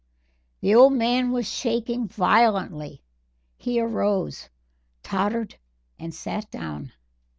The old man was shaking violently. He arose, tottered and sat down.